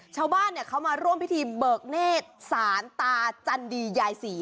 ชาวบ้านเขามาร่วมพิธีเบิกเนธสารตาจันดียายศรี